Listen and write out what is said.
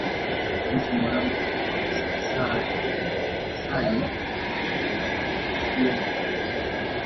Chemsha maharage kwa lisaa li moja ukiwa umefunika sufuria